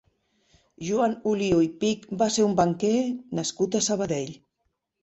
Joan Oliu i Pich va ser un banquer nascut a Sabadell.